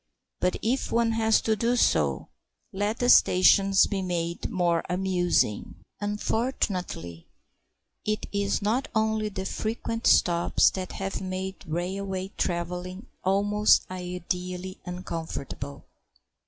But if one has to do so, let the stations be made more amusing. Unfortunately, it is not only the frequent stops that have made railway travelling almost ideally uncomfortable.